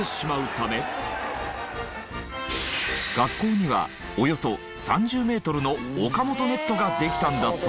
学校にはおよそ３０メートルの岡本ネットができたんだそう。